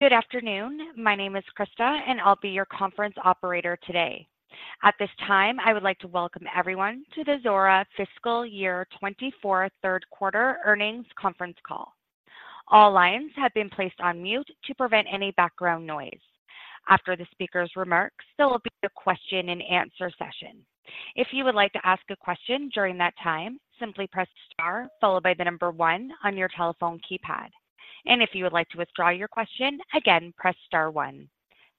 Good afternoon. My name is Krista, and I'll be your conference operator today. At this time, I would like to welcome everyone to the Zuora Fiscal Year 2024 Third Quarter Earnings Conference Call. All lines have been placed on mute to prevent any background noise. After the speaker's remarks, there will be a question and answer session. If you would like to ask a question during that time, simply press star followed by the number one on your telephone keypad. And if you would like to withdraw your question, again, press star one.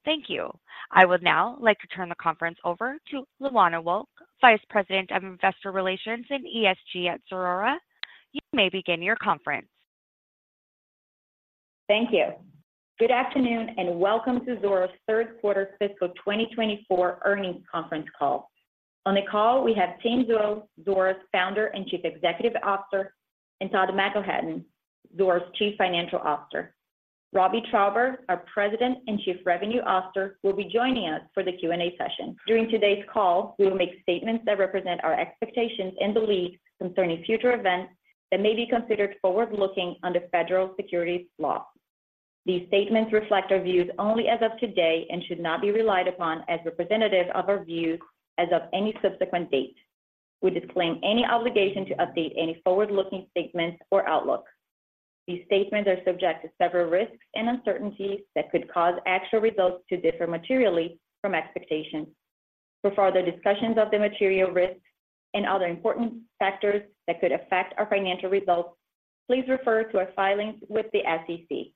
Thank you. I would now like to turn the conference over to Luana Wolk, Vice President of Investor Relations and ESG at Zuora. You may begin your conference. Thank you. Good afternoon, and welcome to Zuora's Third Quarter Fiscal 2024 Earnings Conference Call. On the call, we have Tien Tzuo, Zuora's Founder and Chief Executive Officer, and Todd McElhatton, Zuora's Chief Financial Officer. Robbie Traube, our President and Chief Revenue Officer, will be joining us for the Q&A session. During today's call, we will make statements that represent our expectations and beliefs concerning future events that may be considered forward-looking under federal securities laws. These statements reflect our views only as of today and should not be relied upon as representative of our views as of any subsequent date. We disclaim any obligation to update any forward-looking statements or outlook. These statements are subject to several risks and uncertainties that could cause actual results to differ materially from expectations. For further discussions of the material risks and other important factors that could affect our financial results, please refer to our filings with the SEC.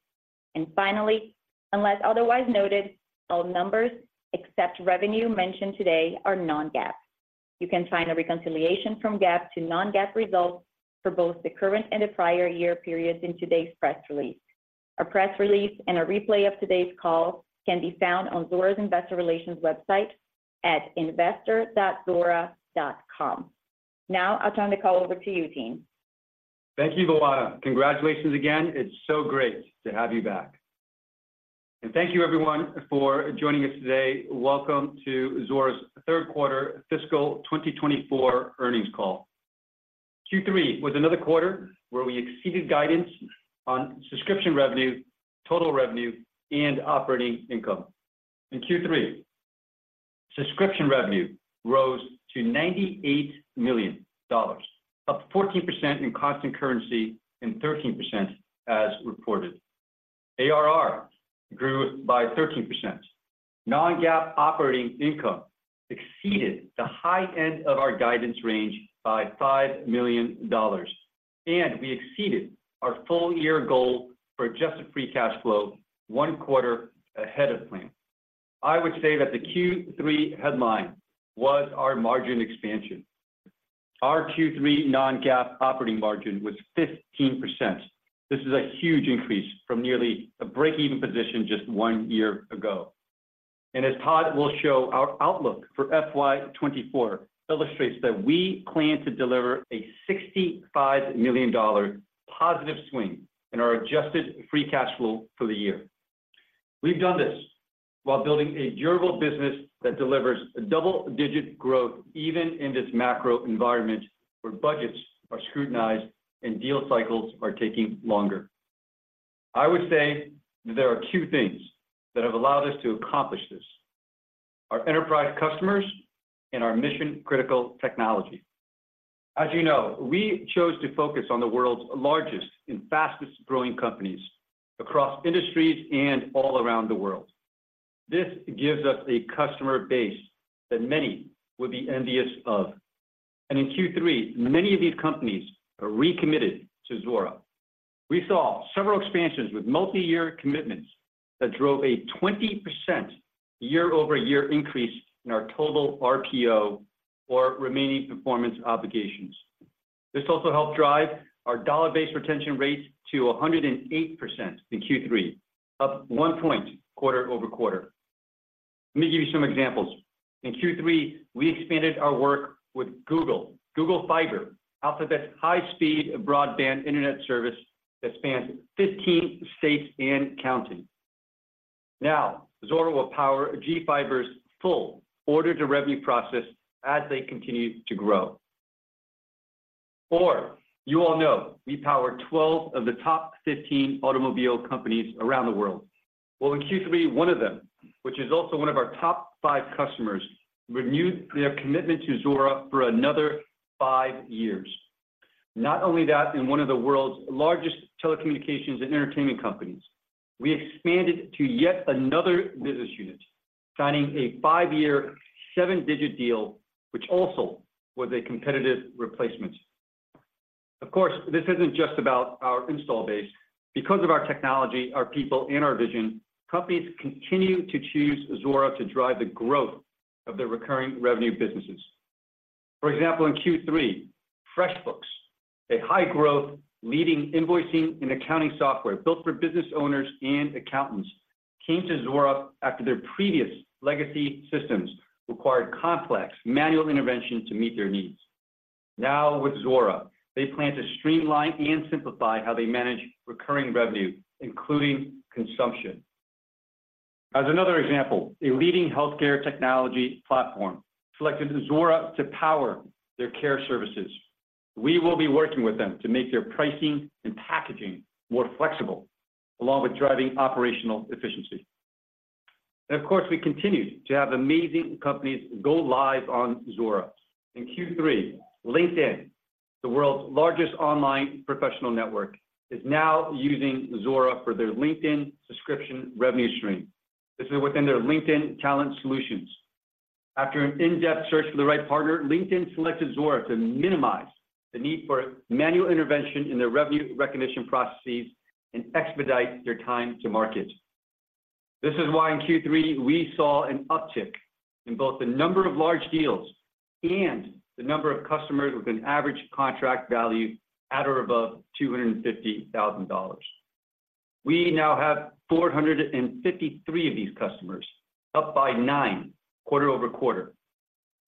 And finally, unless otherwise noted, all numbers except revenue mentioned today are non-GAAP. You can find a reconciliation from GAAP to non-GAAP results for both the current and the prior year periods in today's press release. A press release and a replay of today's call can be found on Zuora's Investor Relations website at investor.zuora.com. Now I'll turn the call over to you, Tien. Thank you, Luana. Congratulations again. It's so great to have you back. Thank you everyone for joining us today. Welcome to Zuora's third quarter fiscal 2024 earnings call. Q3 was another quarter where we exceeded guidance on subscription revenue, total revenue, and operating income. In Q3, subscription revenue rose to $98 million, up 14% in constant currency and 13% as reported. ARR grew by 13%. Non-GAAP operating income exceeded the high end of our guidance range by $5 million, and we exceeded our full year goal for adjusted free cash flow one quarter ahead of plan. I would say that the Q3 headline was our margin expansion. Our Q3 non-GAAP operating margin was 15%. This is a huge increase from nearly a break-even position just one year ago. As Todd will show, our outlook for FY 2024 illustrates that we plan to deliver a $65 million positive swing in our adjusted free cash flow for the year. We've done this while building a durable business that delivers double-digit growth even in this macro environment, where budgets are scrutinized and deal cycles are taking longer. I would say there are two things that have allowed us to accomplish this: our enterprise customers and our mission-critical technology. As you know, we chose to focus on the world's largest and fastest-growing companies across industries and all around the world. This gives us a customer base that many would be envious of, and in Q3, many of these companies are recommitted to Zuora. We saw several expansions with multi-year commitments that drove a 20% year-over-year increase in our total RPO or remaining performance obligations. This also helped drive our dollar-based retention rate to 108% in Q3, up 1 point quarter-over-quarter. Let me give you some examples. In Q3, we expanded our work with Google. Google Fiber, Alphabet's high-speed broadband internet service that spans 15 states and counting. Now, Zuora will power Google Fiber's full order-to-revenue process as they continue to grow. Or you all know, we power 12 of the top 15 automobile companies around the world. Well, in Q3, one of them, which is also one of our top five customers, renewed their commitment to Zuora for another five years. Not only that, in one of the world's largest telecommunications and entertainment companies, we expanded to yet another business unit, signing a 5-year, seven-digit deal, which also was a competitive replacement. Of course, this isn't just about our install base. Because of our technology, our people, and our vision, companies continue to choose Zuora to drive the growth of their recurring revenue businesses. For example, in Q3, FreshBooks, a high-growth, leading invoicing and accounting software built for business owners and accountants, came to Zuora after their previous legacy systems required complex manual intervention to meet their needs. Now, with Zuora, they plan to streamline and simplify how they manage recurring revenue, including consumption... As another example, a leading healthcare technology platform selected Zuora to power their care services. We will be working with them to make their pricing and packaging more flexible, along with driving operational efficiency. And of course, we continue to have amazing companies go live on Zuora. In Q3, LinkedIn, the world's largest online professional network, is now using Zuora for their LinkedIn subscription revenue stream. This is within their LinkedIn Talent Solutions. After an in-depth search for the right partner, LinkedIn selected Zuora to minimize the need for manual intervention in their revenue recognition processes and expedite their time to market. This is why in Q3, we saw an uptick in both the number of large deals and the number of customers with an average contract value at or above $250,000. We now have 453 of these customers, up by nine quarter-over-quarter.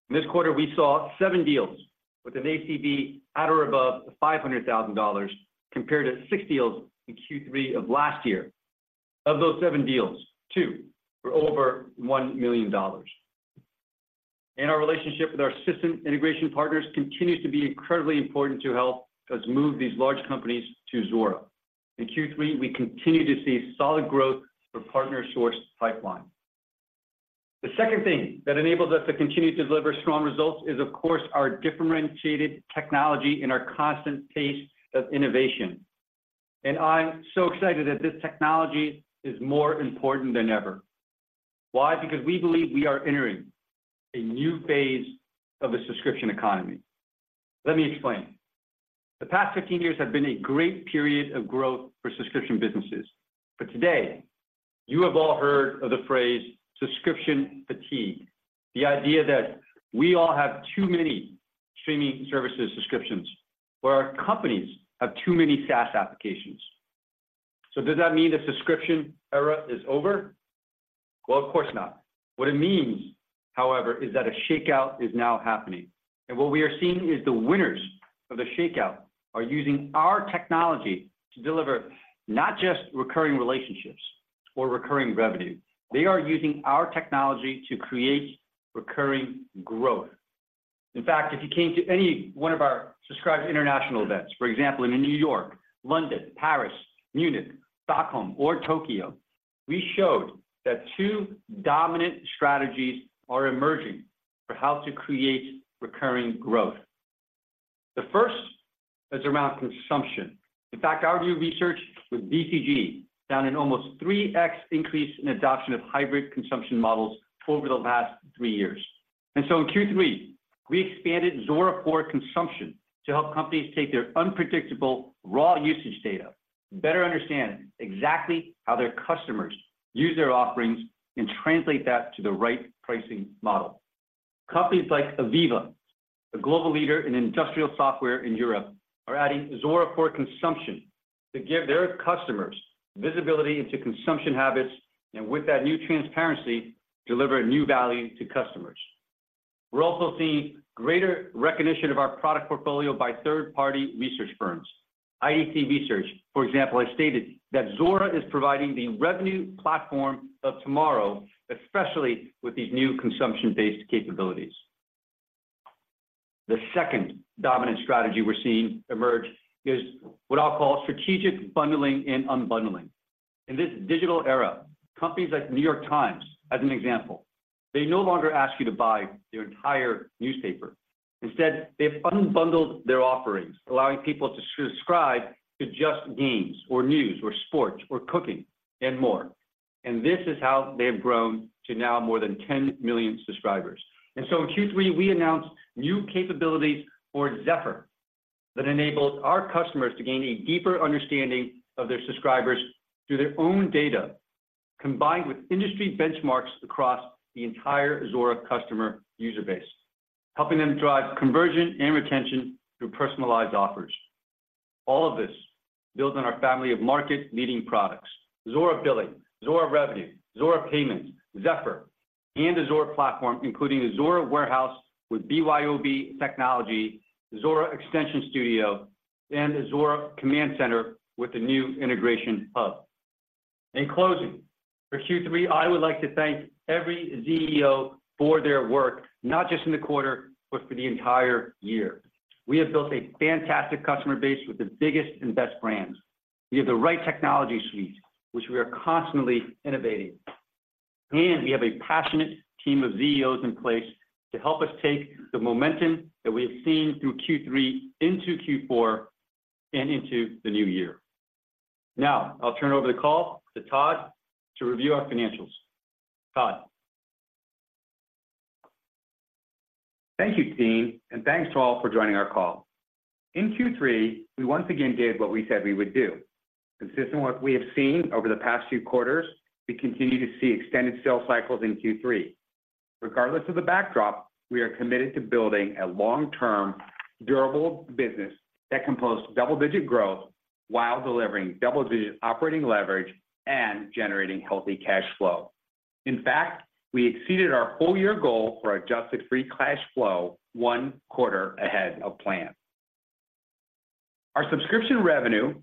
This quarter, we saw seven deals with an ACV at or above $500,000 compared to six deals in Q3 of last year. Of those seven deals, two were over $1 million. And our relationship with our system integration partners continues to be incredibly important to help us move these large companies to Zuora. In Q3, we continued to see solid growth for partner-sourced pipeline. The second thing that enables us to continue to deliver strong results is, of course, our differentiated technology and our constant pace of innovation. I'm so excited that this technology is more important than ever. Why? Because we believe we are entering a new phase of the subscription economy. Let me explain. The past 15 years have been a great period of growth for subscription businesses. Today, you have all heard of the phrase, subscription fatigue. The idea that we all have too many streaming services subscriptions, or our companies have too many SaaS applications. Does that mean the subscription era is over? Well, of course not. What it means, however, is that a shakeout is now happening, and what we are seeing is the winners of the shakeout are using our technology to deliver not just recurring relationships or recurring revenue. They are using our technology to create recurring growth. In fact, if you came to any one of our Subscribed International events, for example, in New York, London, Paris, Munich, Stockholm or Tokyo, we showed that two dominant strategies are emerging for how to create recurring growth. The first is around consumption. In fact, our new research with BCG found an almost 3x increase in adoption of hybrid consumption models over the last three years. And so in Q3, we expanded Zuora for Consumption to help companies take their unpredictable, raw usage data, better understand exactly how their customers use their offerings, and translate that to the right pricing model. Companies like AVEVA, a global leader in industrial software in Europe, are adding Zuora for Consumption to give their customers visibility into consumption habits, and with that new transparency, deliver new value to customers. We're also seeing greater recognition of our product portfolio by third-party research firms. IDC Research, for example, has stated that Zuora is providing the revenue platform of tomorrow, especially with these new consumption-based capabilities. The second dominant strategy we're seeing emerge is what I'll call strategic bundling and unbundling. In this digital era, companies like New York Times, as an example, they no longer ask you to buy their entire newspaper. Instead, they've unbundled their offerings, allowing people to subscribe to just games or news or sports or cooking and more. And this is how they have grown to now more than 10 million subscribers. And so in Q3, we announced new capabilities for Zephr that enables our customers to gain a deeper understanding of their subscribers through their own data, combined with industry benchmarks across the entire Zuora customer user base, helping them drive conversion and retention through personalized offers. All of this builds on our family of market-leading products, Zuora Billing, Zuora Revenue, Zuora Payments, Zephr, and Zuora Platform, including Zuora Warehouse with BYOW Technology, Zuora Extension Studio, and Zuora Command Center with the new Integration Hub. In closing, for Q3, I would like to thank every ZEO for their work, not just in the quarter, but for the entire year. We have built a fantastic customer base with the biggest and best brands. We have the right technology suite, which we are constantly innovating, and we have a passionate team of ZEOs in place to help us take the momentum that we have seen through Q3 into Q4 and into the new year. Now, I'll turn over the call to Todd to review our financials. Todd? Thank you, Tien, and thanks to all for joining our call. In Q3, we once again did what we said we would do. Consistent with what we have seen over the past few quarters, we continued to see extended sales cycles in Q3. Regardless of the backdrop, we are committed to building a long-term, durable business that can post double-digit growth while delivering double-digit operating leverage and generating healthy cash flow. In fact, we exceeded our whole year goal for adjusted free cash flow one quarter ahead of plan... Our subscription revenue,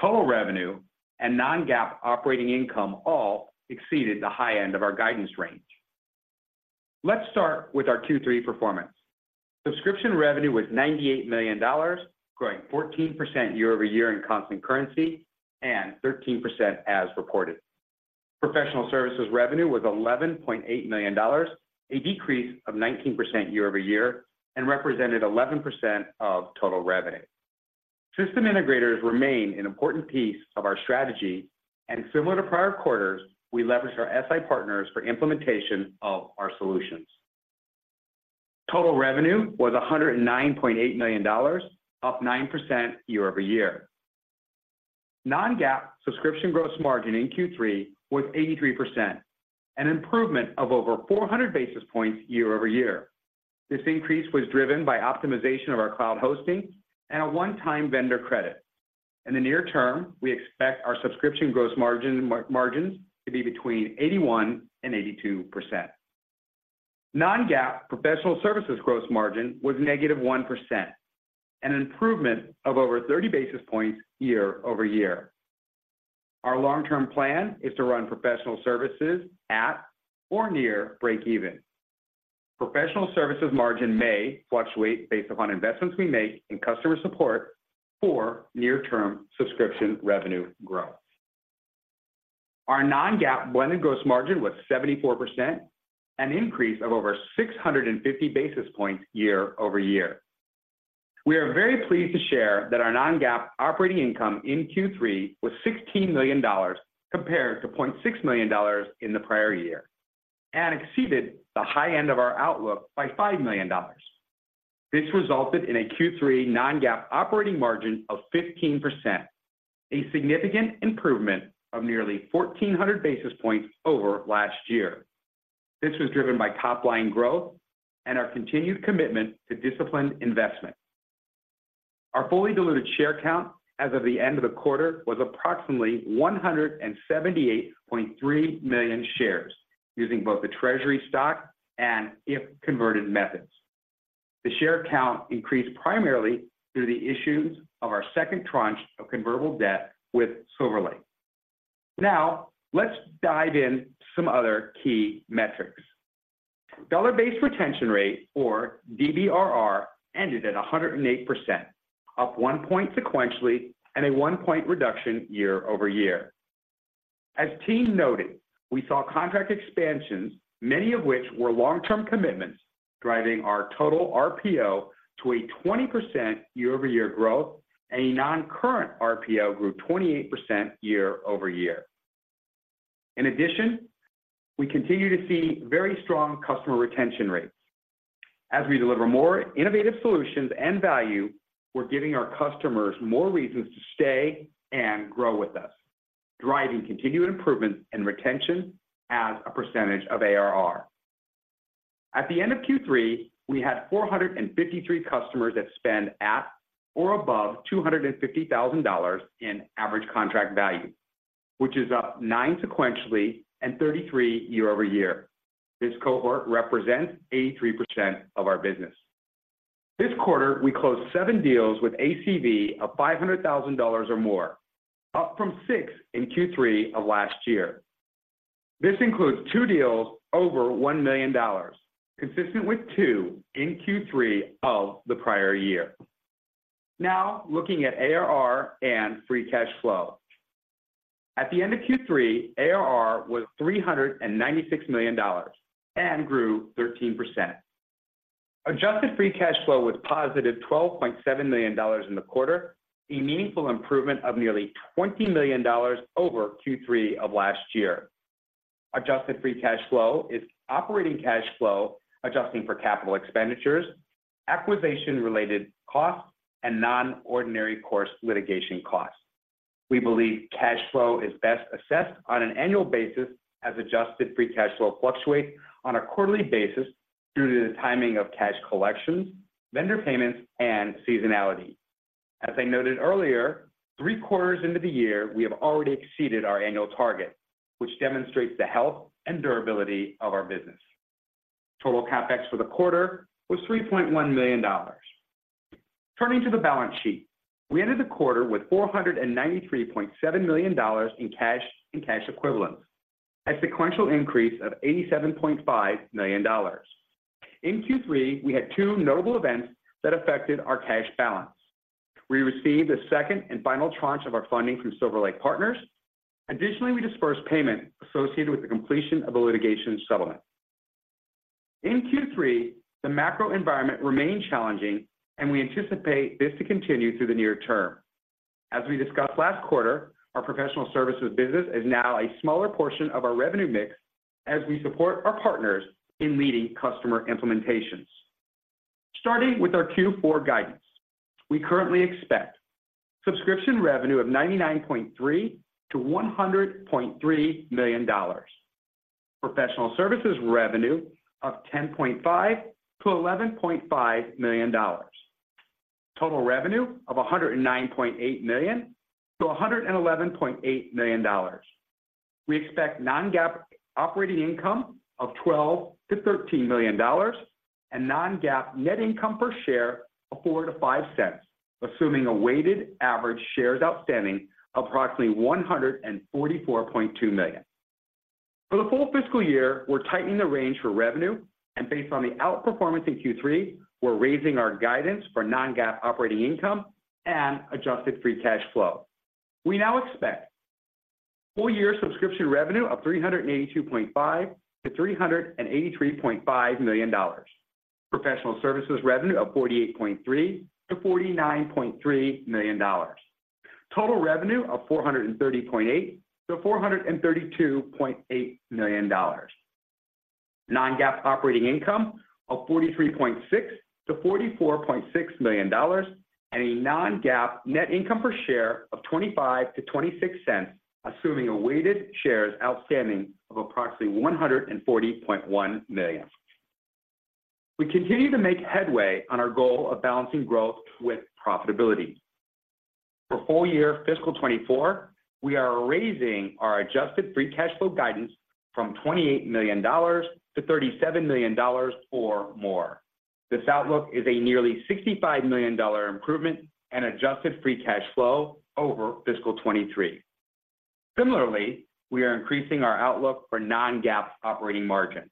total revenue, and non-GAAP operating income all exceeded the high end of our guidance range. Let's start with our Q3 performance. Subscription revenue was $98 million, growing 14% year-over-year in constant currency and 13% as reported. Professional services revenue was $11.8 million, a decrease of 19% year-over-year, and represented 11% of total revenue. System integrators remain an important piece of our strategy, and similar to prior quarters, we leveraged our SI partners for implementation of our solutions. Total revenue was $109.8 million, up 9% year-over-year. Non-GAAP subscription gross margin in Q3 was 83%, an improvement of over 400 basis points year-over-year. This increase was driven by optimization of our cloud hosting and a one-time vendor credit. In the near term, we expect our subscription gross margins to be between 81% and 82%. Non-GAAP professional services gross margin was -1%, an improvement of over 30 basis points year-over-year. Our long-term plan is to run professional services at or near breakeven. Professional services margin may fluctuate based upon investments we make in customer support for near-term subscription revenue growth. Our non-GAAP blended gross margin was 74%, an increase of over 650 basis points year-over-year. We are very pleased to share that our non-GAAP operating income in Q3 was $16 million, compared to $0.6 million in the prior year, and exceeded the high end of our outlook by $5 million. This resulted in a Q3 non-GAAP operating margin of 15%, a significant improvement of nearly 1,400 basis points over last year. This was driven by top-line growth and our continued commitment to disciplined investment. Our fully diluted share count as of the end of the quarter was approximately 178.3 million shares, using both the treasury stock and if converted methods. The share count increased primarily through the issuance of our second tranche of convertible debt with Silver Lake. Now, let's dive in to some other key metrics. Dollar-based retention rate, or DBRR, ended at 108%, up 1 point sequentially and a 1-point reduction year-over-year. As team noted, we saw contract expansions, many of which were long-term commitments, driving our total RPO to a 20% year-over-year growth, and a non-current RPO grew 28% year-over-year. In addition, we continue to see very strong customer retention rates. As we deliver more innovative solutions and value, we're giving our customers more reasons to stay and grow with us, driving continued improvement and retention as a percentage of ARR. At the end of Q3, we had 453 customers that spend at or above $250,000 in average contract value, which is up nine sequentially and 33 year-over-year. This cohort represents 83% of our business. This quarter, we closed seven deals with ACV of $500,000 or more, up from 6 in Q3 of last year. This includes two deals over $1 million, consistent with two in Q3 of the prior year. Now, looking at ARR and free cash flow. At the end of Q3, ARR was $396 million and grew 13%. Adjusted free cash flow was positive $12.7 million in the quarter, a meaningful improvement of nearly $20 million over Q3 of last year. Adjusted free cash flow is operating cash flow, adjusting for capital expenditures, acquisition-related costs, and non-ordinary course litigation costs. We believe cash flow is best assessed on an annual basis, as adjusted free cash flow fluctuates on a quarterly basis due to the timing of cash collections, vendor payments, and seasonality. As I noted earlier, three quarters into the year, we have already exceeded our annual target, which demonstrates the health and durability of our business. Total CapEx for the quarter was $3.1 million. Turning to the balance sheet, we ended the quarter with $493.7 million in cash and cash equivalents, a sequential increase of $87.5 million. In Q3, we had two notable events that affected our cash balance. We received the second and final tranche of our funding from Silver Lake Partners. Additionally, we dispersed payment associated with the completion of a litigation settlement. In Q3, the macro environment remained challenging, and we anticipate this to continue through the near term. As we discussed last quarter, our professional services business is now a smaller portion of our revenue mix as we support our partners in leading customer implementations. Starting with our Q4 guidance, we currently expect subscription revenue of $99.3 million-$100.3 million, professional services revenue of $10.5 million-$11.5 million, total revenue of $109.8 million-$111.8 million. We expect non-GAAP operating income of $12 million-$13 million and non-GAAP net income per share of $0.04-$0.05, assuming a weighted average shares outstanding approximately 144.2 million. For the full fiscal year, we're tightening the range for revenue, and based on the outperformance in Q3, we're raising our guidance for non-GAAP operating income and adjusted free cash flow. We now expect full year subscription revenue of $382.5 million-$383.5 million. Professional services revenue of $48.3 million-$49.3 million. Total revenue of $430.8 million-$432.8 million. Non-GAAP operating income of $43.6 million-$44.6 million, and a non-GAAP net income per share of $0.25-$0.26, assuming a weighted shares outstanding of approximately 140.1 million. We continue to make headway on our goal of balancing growth with profitability. For full year fiscal 2024, we are raising our adjusted free cash flow guidance from $28 million to $37 million or more. This outlook is a nearly $65 million improvement in adjusted free cash flow over fiscal 2023. Similarly, we are increasing our outlook for non-GAAP operating margin,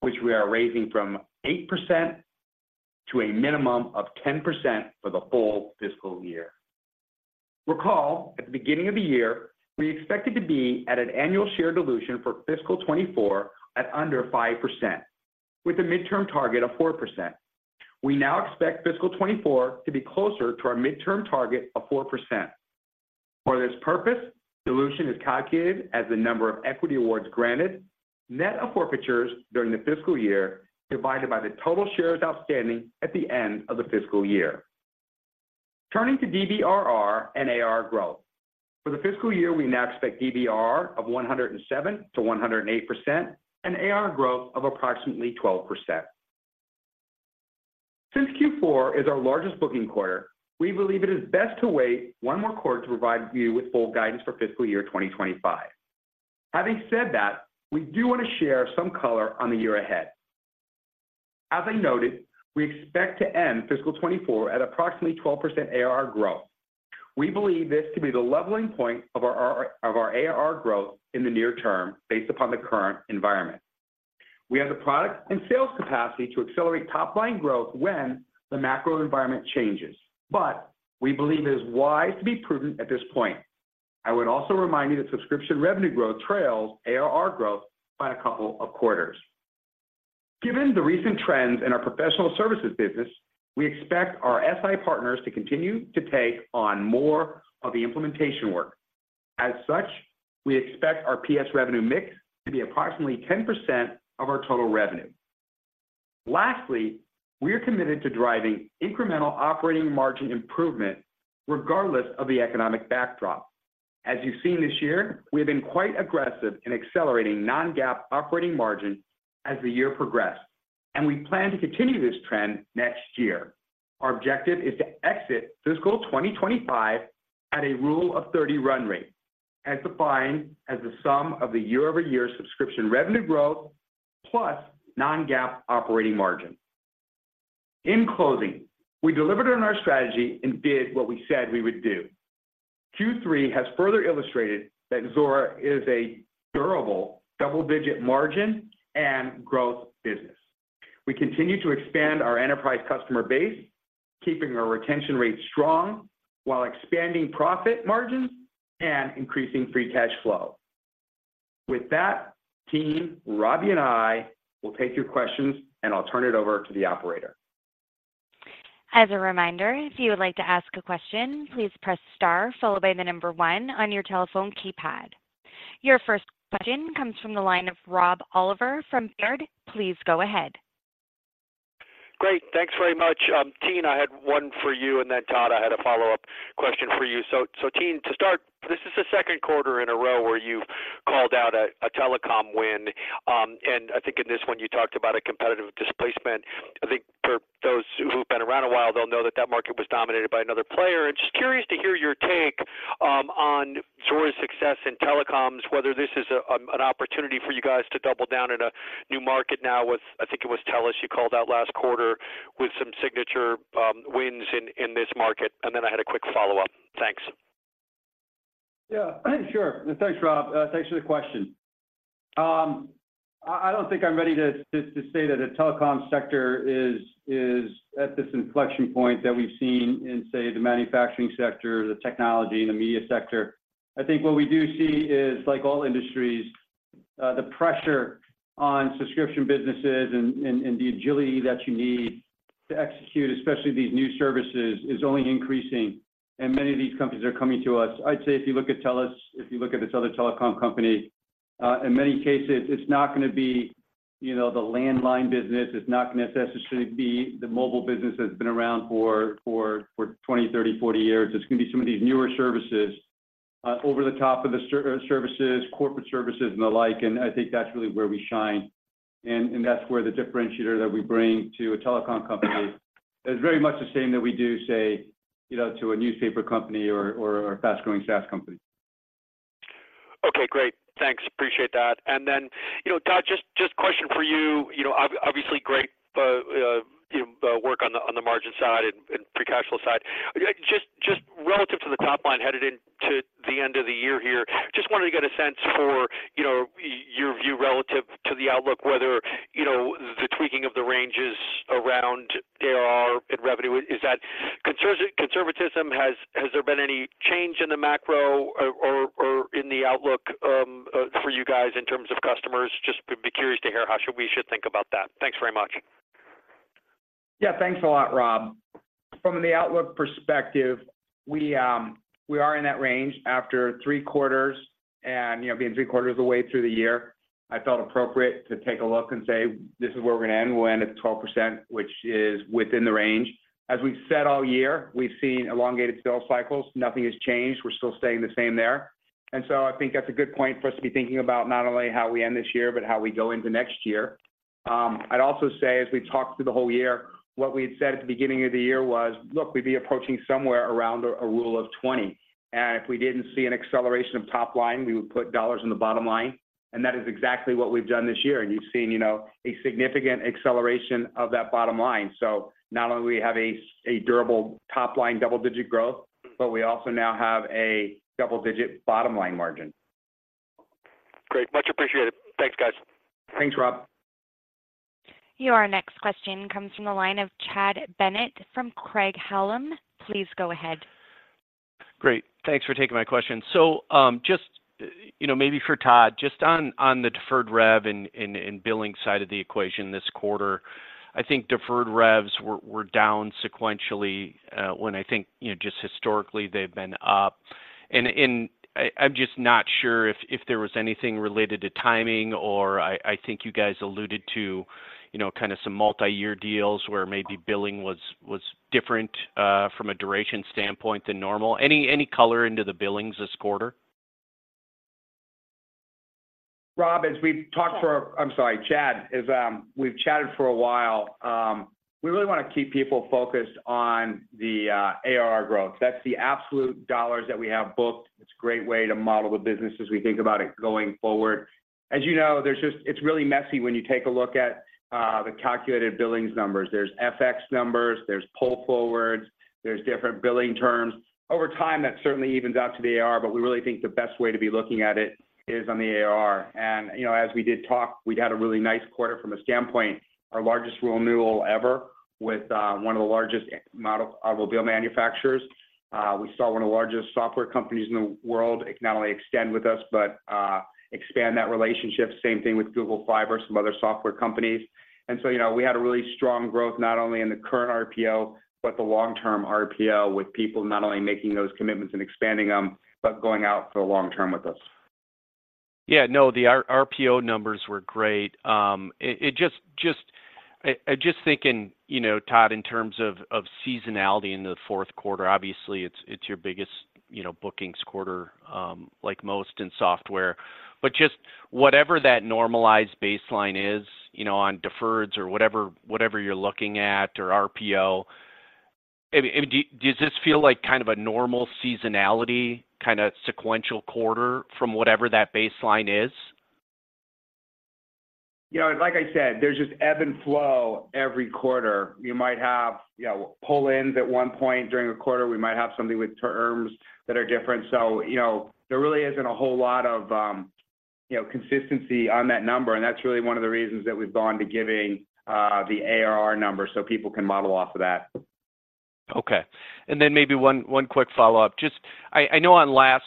which we are raising from 8% to a minimum of 10% for the full fiscal year. Recall, at the beginning of the year, we expected to be at an annual share dilution for fiscal 2024 at under 5%, with a midterm target of 4%. We now expect fiscal 2024 to be closer to our midterm target of 4%. For this purpose, dilution is calculated as the number of equity awards granted, net of forfeitures during the fiscal year, divided by the total shares outstanding at the end of the fiscal year. Turning to DBRR and ARR growth. For the fiscal year, we now expect DBRR of 107%-108%, and ARR growth of approximately 12%. Since Q4 is our largest booking quarter, we believe it is best to wait one more quarter to provide you with full guidance for fiscal year 2025. Having said that, we do want to share some color on the year ahead. As I noted, we expect to end fiscal 2024 at approximately 12% ARR growth. We believe this to be the leveling point of our ARR growth in the near term, based upon the current environment. We have the product and sales capacity to accelerate top-line growth when the macro environment changes, but we believe it is wise to be prudent at this point. I would also remind you that subscription revenue growth trails ARR growth by a couple of quarters. Given the recent trends in our professional services business, we expect our SI partners to continue to take on more of the implementation work. As such, we expect our PS revenue mix to be approximately 10% of our total revenue. Lastly, we are committed to driving incremental operating margin improvement regardless of the economic backdrop. As you've seen this year, we have been quite aggressive in accelerating non-GAAP operating margin as the year progressed, and we plan to continue this trend next year. Our objective is to exit fiscal 2025 at a Rule of 30 run rate, as defined as the sum of the year-over-year subscription revenue growth plus non-GAAP operating margin. In closing, we delivered on our strategy and did what we said we would do. Q3 has further illustrated that Zuora is a durable double-digit margin and growth business. We continue to expand our enterprise customer base, keeping our retention rates strong while expanding profit margins and increasing free cash flow. With that, team, Robbie and I will take your questions, and I'll turn it over to the operator. As a reminder, if you would like to ask a question, please press star followed by the number one on your telephone keypad. Your first question comes from the line of Rob Oliver from Baird. Please go ahead. Great. Thanks very much. Tien, I had one for you, and then, Todd, I had a follow-up question for you. So, Tien, to start, this is the second quarter in a row where you've called out a telecom win. And I think in this one you talked about a competitive displacement. I think for those who've been around a while, they'll know that that market was dominated by another player. And just curious to hear your take on Zuora's success in telecoms, whether this is an opportunity for you guys to double down in a new market now with I think it was TELUS you called out last quarter with some signature wins in this market. And then I had a quick follow-up. Thanks. Yeah, sure. Thanks, Rob. Thanks for the question. I don't think I'm ready to say that the telecom sector is at this inflection point that we've seen in, say, the manufacturing sector, the technology, and the media sector. I think what we do see is, like all industries, the pressure on subscription businesses and the agility that you need to execute, especially these new services, is only increasing, and many of these companies are coming to us. I'd say if you look at TELUS, if you look at this other telecom company, in many cases, it's not gonna be, you know, the landline business. It's not gonna necessarily be the mobile business that's been around for 20, 30, 40 years. It's gonna be some of these newer services over the top of the services, corporate services and the like. And I think that's really where we shine... and, and that's where the differentiator that we bring to a telecom company is very much the same that we do say, you know, to a newspaper company or, or, or a fast-growing SaaS company. Okay, great. Thanks. Appreciate that. And then, you know, Todd, just a question for you. You know, obviously, great work on the margin side and free cash flow side. Just relative to the top line, headed into the end of the year here, just wanted to get a sense for, you know, your view relative to the outlook, whether, you know, the tweaking of the ranges around ARR and revenue. Is that conservatism. Has there been any change in the macro or in the outlook for you guys in terms of customers? Just would be curious to hear how we should think about that. Thanks very much. Yeah, thanks a lot, Rob. From the outlook perspective, we are in that range after three quarters. You know, being three quarters of the way through the year, I felt appropriate to take a look and say, "This is where we're gonna end." We'll end at 12%, which is within the range. As we've said all year, we've seen elongated sales cycles. Nothing has changed. We're still staying the same there. So I think that's a good point for us to be thinking about not only how we end this year, but how we go into next year. I'd also say, as we've talked through the whole year, what we had said at the beginning of the year was, "Look, we'd be approaching somewhere around a rule of 20, and if we didn't see an acceleration of top line, we would put dollars in the bottom line." And that is exactly what we've done this year, and you've seen, you know, a significant acceleration of that bottom line. So not only do we have a durable top-line double-digit growth, but we also now have a double-digit bottom-line margin. Great, much appreciated. Thanks, guys. Thanks, Rob. Your next question comes from the line of Chad Bennett from Craig-Hallum. Please go ahead. Great. Thanks for taking my question. So, just, you know, maybe for Todd, just on the deferred rev in the billing side of the equation this quarter, I think deferred revs were down sequentially, when I think, you know, just historically, they've been up. And I, I'm just not sure if there was anything related to timing or I think you guys alluded to, you know, kind of some multiyear deals where maybe billing was different from a duration standpoint than normal. Any color into the billings this quarter? Rob, as we've talked. I'm sorry, Chad, as we've chatted for a while, we really wanna keep people focused on the ARR growth. That's the absolute dollars that we have booked. It's a great way to model the business as we think about it going forward. As you know, there's just... It's really messy when you take a look at the calculated billings numbers. There's FX numbers, there's pull forwards, there's different billing terms. Over time, that certainly evens out to the ARR, but we really think the best way to be looking at it is on the ARR. You know, as we did talk, we'd had a really nice quarter from a standpoint, our largest renewal ever with one of the largest automobile manufacturers. We saw one of the largest software companies in the world, not only extend with us, but expand that relationship. Same thing with Google Fiber, some other software companies. And so, you know, we had a really strong growth, not only in the current RPO, but the long-term RPO, with people not only making those commitments and expanding them, but going out for the long term with us. Yeah. No, the RPO numbers were great. It just... I just thinking, you know, Todd, in terms of seasonality in the fourth quarter, obviously, it's your biggest, you know, bookings quarter, like most in software. But just whatever that normalized baseline is, you know, on deferreds or whatever you're looking at, or RPO, I mean, does this feel like kind of a normal seasonality, kinda sequential quarter from whatever that baseline is? You know, like I said, there's just ebb and flow every quarter. You might have, you know, pull-ins at one point during a quarter. We might have something with terms that are different. So, you know, there really isn't a whole lot of, you know, consistency on that number, and that's really one of the reasons that we've gone to giving the ARR number, so people can model off of that. Okay. And then maybe one quick follow-up. Just, I know on last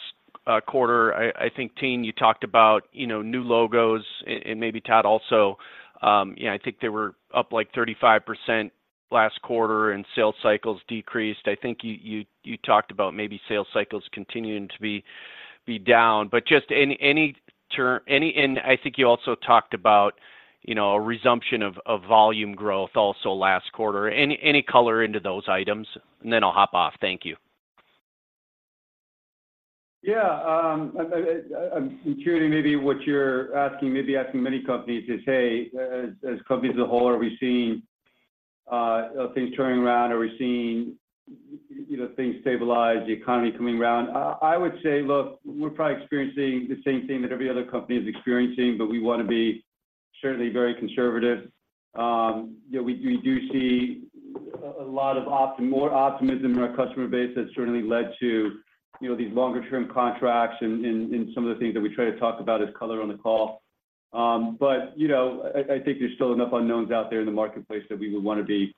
quarter, I think, Tien, you talked about, you know, new logos and maybe Todd also. Yeah, I think they were up, like, 35% last quarter, and sales cycles decreased. I think you talked about maybe sales cycles continuing to be down, but just any term. And I think you also talked about, you know, a resumption of volume growth also last quarter. Any color into those items? And then I'll hop off. Thank you. Yeah, I'm curious, maybe what you're asking many companies is, hey, as companies as a whole, are we seeing things turning around? Are we seeing, you know, things stabilize, the economy coming around? I would say, look, we're probably experiencing the same thing that every other company is experiencing, but we wanna be certainly very conservative. Yeah, we do see a lot more optimism in our customer base that's certainly led to, you know, these longer-term contracts and some of the things that we try to talk about as color on the call. But, you know, I think there's still enough unknowns out there in the marketplace that we would wanna be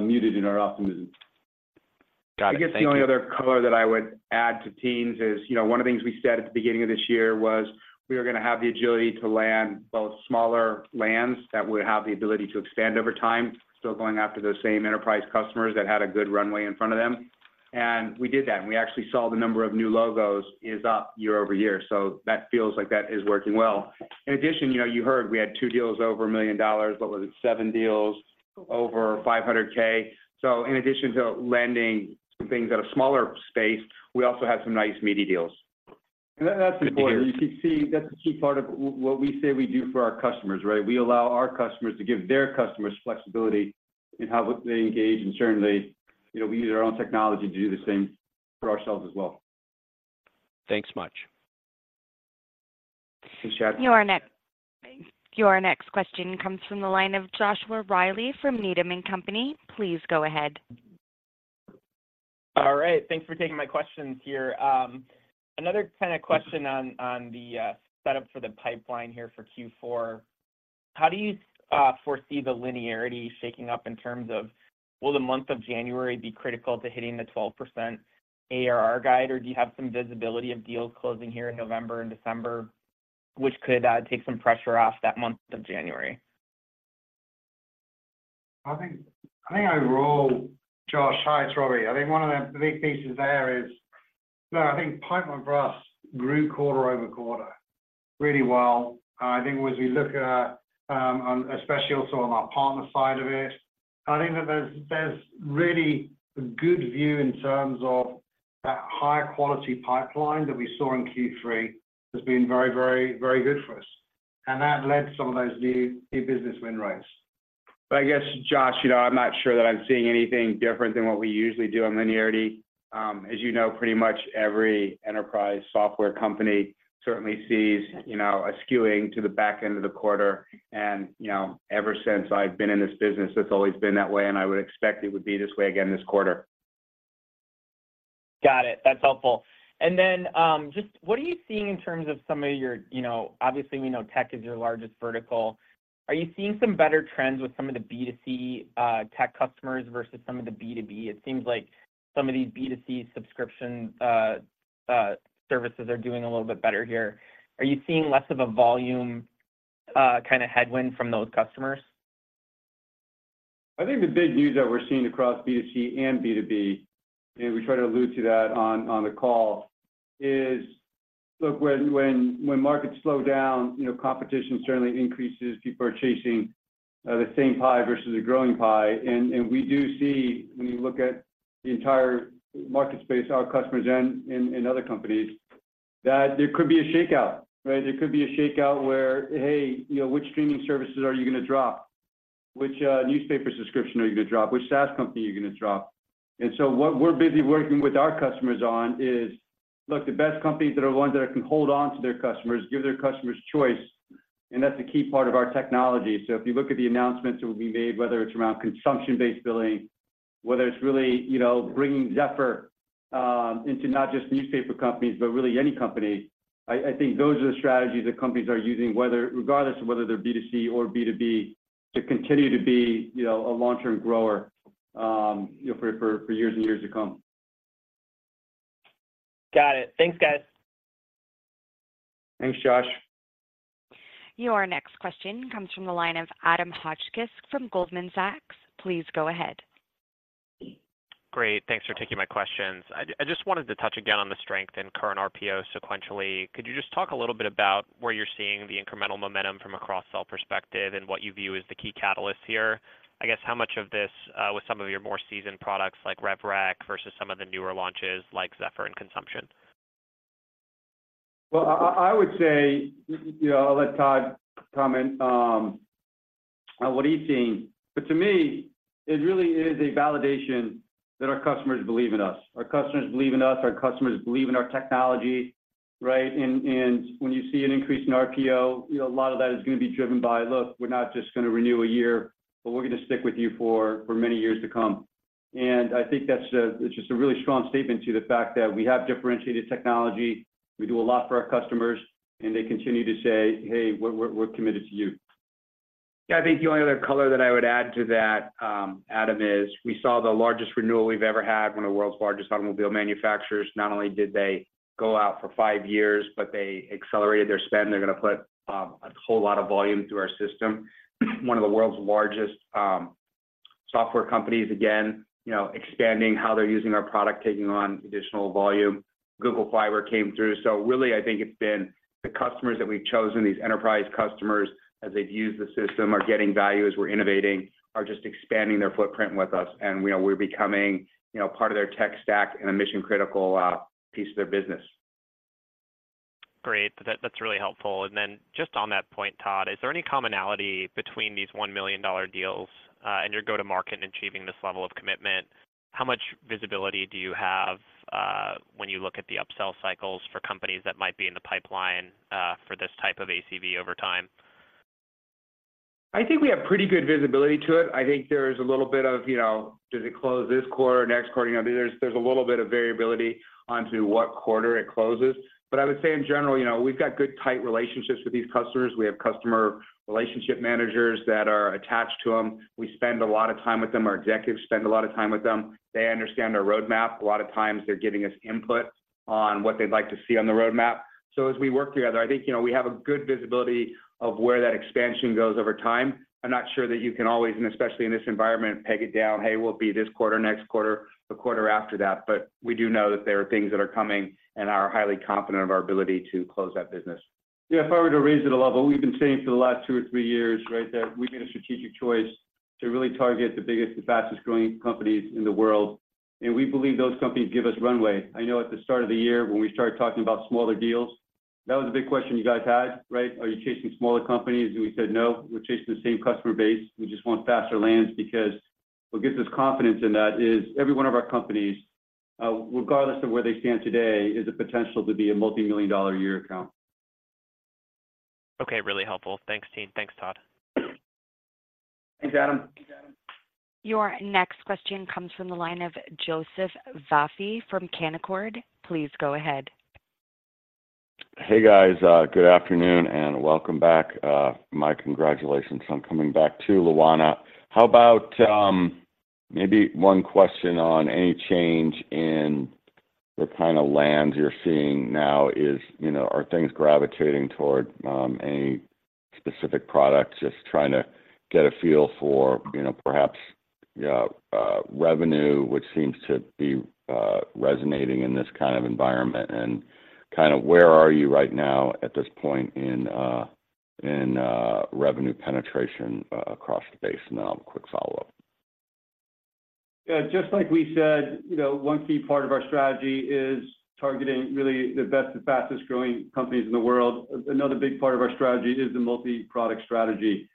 muted in our optimism. Got it. Thank you. I guess the only other color that I would add to Tien's is, you know, one of the things we said at the beginning of this year was, we are gonna have the agility to land both smaller lands that would have the ability to expand over time, still going after those same enterprise customers that had a good runway in front of them. And we did that, and we actually saw the number of new logos is up year-over-year, so that feels like that is working well. In addition, you know, you heard we had two deals over $1 million, what was it? 7 deals over $500K. So in addition to landing some things at a smaller space, we also had some nice meaty deals. That's important. You can see that's a key part of what we say we do for our customers, right? We allow our customers to give their customers flexibility in how they engage, and certainly, you know, we use our own technology to do the same for ourselves as well. Thanks much. Thanks, Chad. Your next question comes from the line of Joshua Reilly from Needham & Company. Please go ahead. All right. Thanks for taking my questions here. Another kind of question on the setup for the pipeline here for Q4. How do you foresee the linearity shaking up in terms of, will the month of January be critical to hitting the 12% ARR guide, or do you have some visibility of deals closing here in November and December, which could take some pressure off that month of January? I think overall, Josh, hi, it's Robbie. I think one of the big pieces there is, look, I think pipeline for us grew quarter over quarter really well. I think as we look at, especially also on our partner side of it, I think that there's really a good view in terms of that higher quality pipeline that we saw in Q3, has been very, very, very good for us, and that led some of those new key business win rates. But I guess, Josh, you know, I'm not sure that I'm seeing anything different than what we usually do on linearity. As you know, pretty much every enterprise software company certainly sees, you know, a skewing to the back end of the quarter. And, you know, ever since I've been in this business, it's always been that way, and I would expect it would be this way again, this quarter. Got it. That's helpful. Then, just what are you seeing in terms of some of your—you know, obviously, we know tech is your largest vertical. Are you seeing some better trends with some of the B2C tech customers versus some of the B2B? It seems like some of these B2C subscription services are doing a little bit better here. Are you seeing less of a volume kind of headwind from those customers? I think the big news that we're seeing across B2C and B2B, and we try to allude to that on the call, is, look, when markets slow down, you know, competition certainly increases. People are chasing the same pie versus a growing pie. And we do see, when you look at the entire market space, our customers and other companies, that there could be a shakeout, right? There could be a shakeout where, hey, you know, which streaming services are you gonna drop? Which newspaper subscription are you gonna drop? Which SaaS company are you gonna drop? And so what we're busy working with our customers on is... Look, the best companies that are ones that can hold on to their customers, give their customers choice, and that's a key part of our technology. So if you look at the announcements that we made, whether it's around consumption-based billing, whether it's really, you know, bringing Zephr into not just newspaper companies, but really any company, I, I think those are the strategies that companies are using, whether—regardless of whether they're B2C or B2B, to continue to be, you know, a long-term grower, you know, for, for, for years and years to come. Got it. Thanks, guys. Thanks, Josh. Your next question comes from the line of Adam Hotchkiss from Goldman Sachs. Please go ahead. Great. Thanks for taking my questions. I just wanted to touch again on the strength in current RPO sequentially. Could you just talk a little bit about where you're seeing the incremental momentum from a cross-sell perspective and what you view as the key catalysts here? I guess, how much of this with some of your more seasoned products like RevRec versus some of the newer launches like Zephr and Consumption? Well, I would say, you know, I'll let Todd comment on what he's seeing. But to me, it really is a validation that our customers believe in us. Our customers believe in us, our customers believe in our technology, right? And when you see an increase in RPO, you know, a lot of that is gonna be driven by, "Look, we're not just gonna renew a year, but we're gonna stick with you for many years to come." And I think that's—it's just a really strong statement to the fact that we have differentiated technology, we do a lot for our customers, and they continue to say, "Hey, we're committed to you." Yeah, I think the only other color that I would add to that, Adam, is we saw the largest renewal we've ever had, one of the world's largest automobile manufacturers. Not only did they go out for five years, but they accelerated their spend. They're gonna put a whole lot of volume through our system. One of the world's largest software companies, again, you know, expanding how they're using our product, taking on additional volume. Google Fiber came through. So really, I think it's been the customers that we've chosen, these enterprise customers, as they've used the system, are getting value, as we're innovating, are just expanding their footprint with us, and, you know, we're becoming, you know, part of their tech stack and a mission-critical piece of their business. Great. That's really helpful. And then just on that point, Todd, is there any commonality between these $1 million deals and your go-to-market in achieving this level of commitment? How much visibility do you have when you look at the upsell cycles for companies that might be in the pipeline for this type of ACV over time? I think we have pretty good visibility into it. I think there is a little bit of, you know, does it close this quarter or next quarter? You know, there's a little bit of variability into what quarter it closes. But I would say in general, you know, we've got good, tight relationships with these customers. We have customer relationship managers that are attached to them. We spend a lot of time with them. Our executives spend a lot of time with them. They understand our roadmap. A lot of times they're giving us input on what they'd like to see on the roadmap. So as we work together, I think, you know, we have a good visibility of where that expansion goes over time. I'm not sure that you can always, and especially in this environment, peg it down, "Hey, we'll be this quarter, next quarter, the quarter after that." But we do know that there are things that are coming and are highly confident of our ability to close that business. Yeah, if I were to raise it a level, we've been saying for the last two or three years, right, that we made a strategic choice.... to really target the biggest and fastest-growing companies in the world, and we believe those companies give us runway. I know at the start of the year, when we started talking about smaller deals, that was a big question you guys had, right? Are you chasing smaller companies? And we said, "No, we're chasing the same customer base. We just want faster lands," because what gives us confidence in that is every one of our companies, regardless of where they stand today, is the potential to be a multimillion-dollar a year account. Okay, really helpful. Thanks, team. Thanks, Todd. Thanks, Adam. Your next question comes from the line of Joseph Vafi from Canaccord. Please go ahead. Hey, guys. Good afternoon, and welcome back. My congratulations on coming back to Luana. How about maybe one question on any change in the kind of lands you're seeing now is, you know, are things gravitating toward any specific product? Just trying to get a feel for, you know, perhaps revenue, which seems to be resonating in this kind of environment, and kind of where are you right now at this point in revenue penetration across the base? And then I'll have a quick follow-up. Yeah, just like we said, you know, one key part of our strategy is targeting really the best and fastest-growing companies in the world. Another big part of our strategy is the multi-product strategy.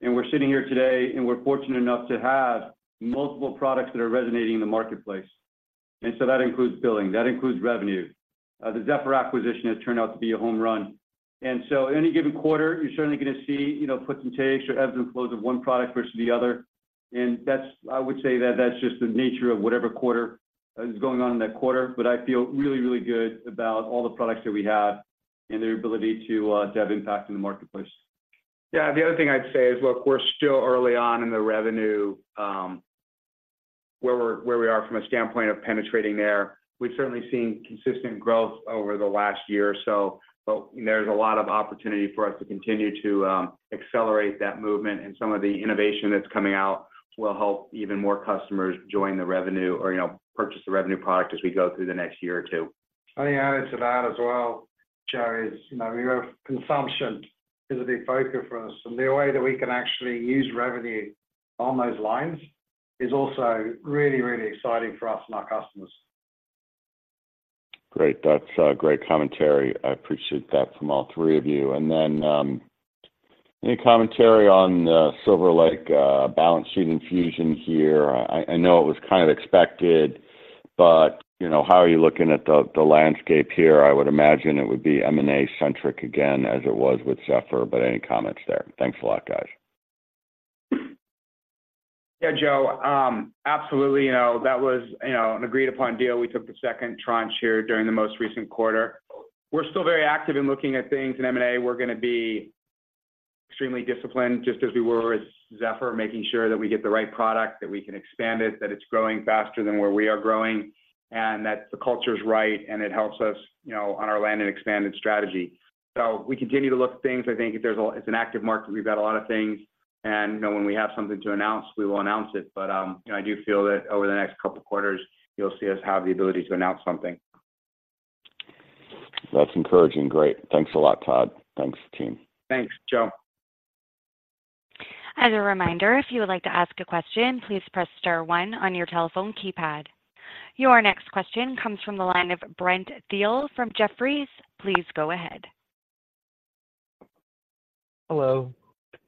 We're sitting here today, and we're fortunate enough to have multiple products that are resonating in the marketplace. So that includes Billing, that includes Revenue. The Zephr acquisition has turned out to be a home run. So any given quarter, you're certainly gonna see, you know, puts and takes or ebbs and flows of one product versus the other. That's—I would say that that's just the nature of whatever quarter is going on in that quarter, but I feel really, really good about all the products that we have and their ability to have impact in the marketplace. Yeah. The other thing I'd say is, look, we're still early on in the revenue, where we are from a standpoint of penetrating there. We've certainly seen consistent growth over the last year or so, but there's a lot of opportunity for us to continue to accelerate that movement, and some of the innovation that's coming out will help even more customers join the revenue or, you know, purchase the revenue product as we go through the next year or two. Let me add into that as well, Joe, you know, we have, consumption is a big focus for us, and the way that we can actually use revenue on those lines is also really, really exciting for us and our customers. Great. That's great commentary. I appreciate that from all three of you. And then, any commentary on Silver Lake balance sheet infusion here? I know it was kind of expected, but you know, how are you looking at the landscape here? I would imagine it would be M&A-centric again, as it was with Zephr, but any comments there? Thanks a lot, guys. Yeah, Joe. Absolutely, you know, that was, you know, an agreed-upon deal. We took the second tranche here during the most recent quarter. We're still very active in looking at things, in M&A. We're gonna be extremely disciplined, just as we were with Zephr, making sure that we get the right product, that we can expand it, that it's growing faster than where we are growing, and that the culture is right, and it helps us, you know, on our land and expanded strategy. So we continue to look at things. I think it's an active market. We've got a lot of things, and, you know, when we have something to announce, we will announce it. But, you know, I do feel that over the next couple of quarters, you'll see us have the ability to announce something. That's encouraging. Great. Thanks a lot, Todd. Thanks, team. Thanks, Joe. As a reminder, if you would like to ask a question, please press star one on your telephone keypad. Your next question comes from the line of Brent Thill from Jefferies. Please go ahead. Hello,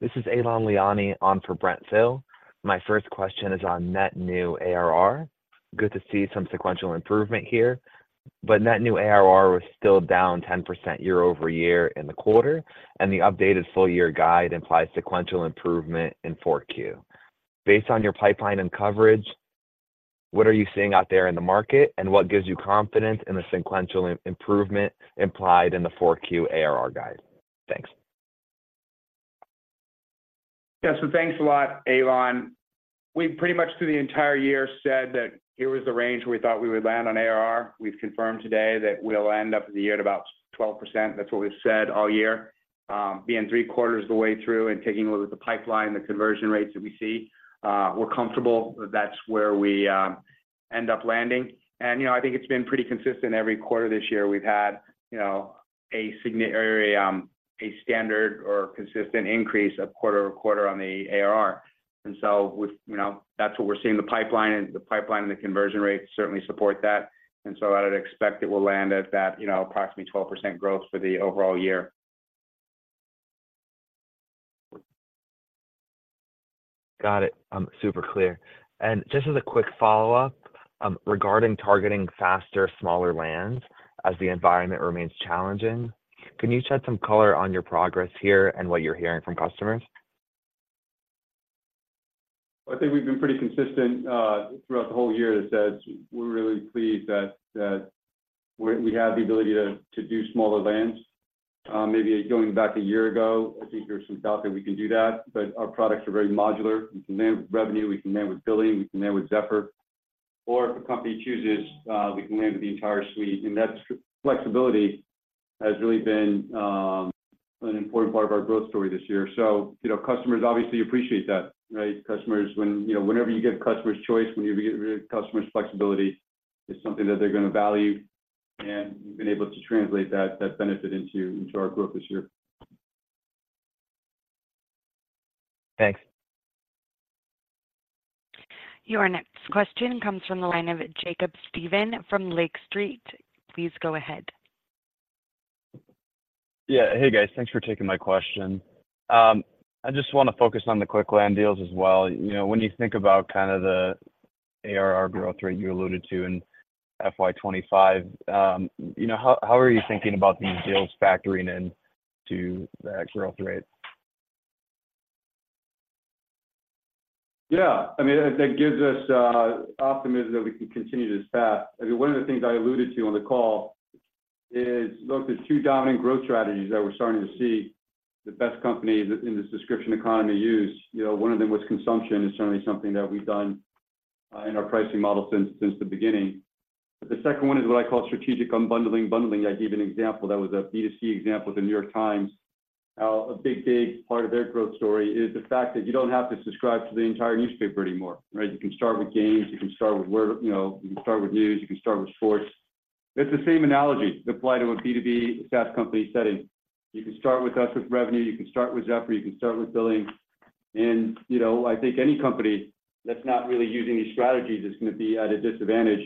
this is Alon Leoni on for Brent Thill. My first question is on net new ARR. Good to see some sequential improvement here, but net new ARR was still down 10% year-over-year in the quarter, and the updated full year guide implies sequential improvement in Q4. Based on your pipeline and coverage, what are you seeing out there in the market, and what gives you confidence in the sequential improvement implied in the Q4 ARR guide? Thanks. Yeah. So thanks a lot, Alon. We pretty much through the entire year said that here was the range where we thought we would land on ARR. We've confirmed today that we'll end up the year at about 12%. That's what we've said all year. Being three quarters of the way through and taking a look at the pipeline, the conversion rates that we see, we're comfortable that's where we end up landing. And, you know, I think it's been pretty consistent. Every quarter this year, we've had, you know, a standard or consistent increase quarter-over-quarter on the ARR. And so with... You know, that's what we're seeing. The pipeline and the pipeline and the conversion rates certainly support that, and so I'd expect it will land at that, you know, approximately 12% growth for the overall year. Got it. Super clear. And just as a quick follow-up, regarding targeting faster, smaller lands as the environment remains challenging, can you shed some color on your progress here and what you're hearing from customers? I think we've been pretty consistent throughout the whole year that we're really pleased that we have the ability to do smaller lands. Maybe going back a year ago, I think there was some doubt that we can do that, but our products are very modular. We can land with revenue, we can land with billing, we can land with Zephr, or if a company chooses, we can land with the entire suite. And that flexibility has really been an important part of our growth story this year. So, you know, customers obviously appreciate that, right? Customers, you know, whenever you give customers choice, when you give customers flexibility, it's something that they're gonna value... and we've been able to translate that benefit into our growth this year. Thanks. Your next question comes from the line of Jacob Stephan from Lake Street. Please go ahead. Yeah. Hey, guys, thanks for taking my question. I just wanna focus on the quick land deals as well. You know, when you think about kind of the ARR growth rate you alluded to in FY 25, you know, how are you thinking about these deals factoring in to that growth rate? Yeah. I mean, that gives us optimism that we can continue this path. I mean, one of the things I alluded to on the call is, look, there's two dominant growth strategies that we're starting to see the best companies in this subscription economy use. You know, one of them was consumption, is certainly something that we've done in our pricing model since, since the beginning. But the second one is what I call strategic unbundling. Unbundling, I gave an example that was a B2C example of The New York Times. How a big, big part of their growth story is the fact that you don't have to subscribe to the entire newspaper anymore, right? You can start with games, you can start with word, you know, you can start with news, you can start with sports. It's the same analogy to apply to a B2B, a SaaS company setting. You can start with Zuora Revenue, you can start with Zuora CPQ, you can start with Zuora Billing. And, you know, I think any company that's not really using these strategies is gonna be at a disadvantage.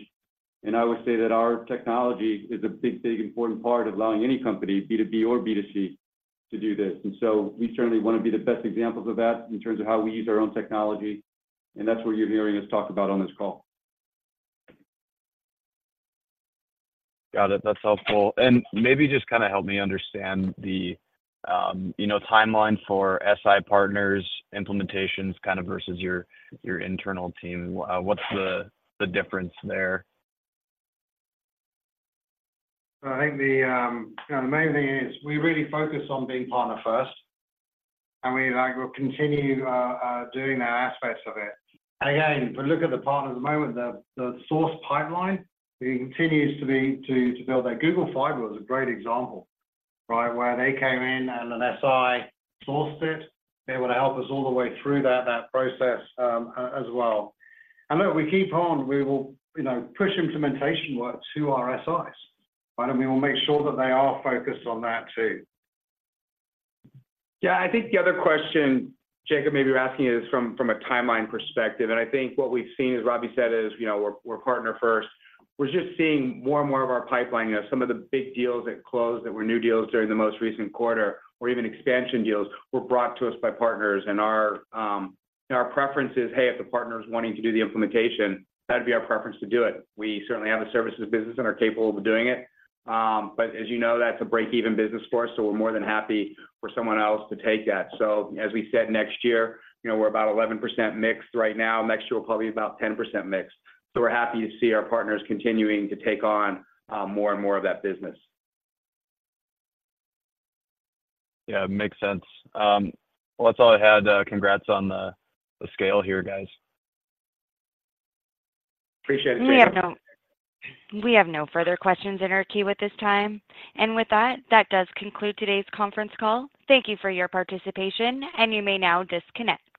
And I would say that our technology is a big, big, important part of allowing any company, B2B or B 2C, to do this. And so we certainly wanna be the best examples of that in terms of how we use our own technology, and that's what you're hearing us talk about on this call. Got it. That's helpful. And maybe just kinda help me understand the, you know, timeline for SI partners, implementations, kind of versus your internal team. What's the difference there? I think the, you know, the main thing is we really focus on being partner first, and we like will continue doing that aspects of it. And again, if we look at the partner at the moment, the source pipeline, it continues to be to build that. Google Fiber was a great example, right? Where they came in and an SI sourced it. They were to help us all the way through that process, as well. And look, we keep on, we will, you know, push implementation work to our SIs, right? And we will make sure that they are focused on that too. Yeah. I think the other question, Jacob, maybe you're asking is from a timeline perspective, and I think what we've seen, as Robbie said, is, you know, we're partner first. We're just seeing more and more of our pipeline. You know, some of the big deals that closed, that were new deals during the most recent quarter, or even expansion deals, were brought to us by partners. And our, and our preference is, hey, if the partner is wanting to do the implementation, that'd be our preference to do it. We certainly have a services business and are capable of doing it. But as you know, that's a break-even business for us, so we're more than happy for someone else to take that. So as we said, next year, you know, we're about 11% mix right now. Next year, we'll probably be about 10% mix. So we're happy to see our partners continuing to take on, more and more of that business. Yeah, makes sense. Well, that's all I had. Congrats on the scale here, guys. Appreciate it, Jacob. We have no further questions in our queue at this time. With that, that does conclude today's conference call. Thank you for your participation, and you may now disconnect.